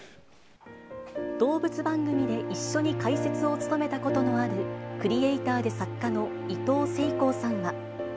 動物番組で一緒に解説を務めたことのある、クリエーターで作家のいとうせいこうさんは。